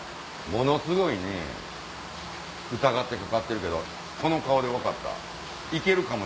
ものすごいね疑ってかかってるけどこの顔で分かった。